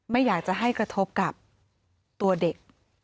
ไม่อยากจะให้กระทบกับตัวเด็ก